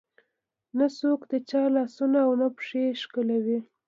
نه څوک د چا لاسونه او نه پښې ښکلوي.